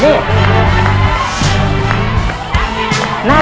นี่ต้องให้คุณแม่นะ